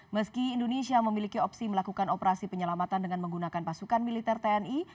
meski indonesia memiliki opsi melakukan operasi penyelamatan dengan menggunakan pasukan militer tni